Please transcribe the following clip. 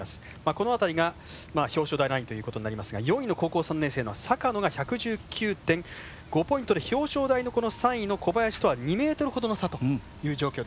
この辺りが表彰台ラインということになりますが４位の高校３年生の坂野が１１９．５ポイントで表彰台の、この３位の小林とは２ｍ程の差という状況です。